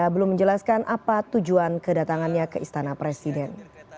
belum menjelaskan apa tujuan kedatangannya ke istana presiden